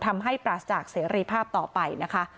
ทำให้ปราศจากเสรีภาพต่อไปนะคะ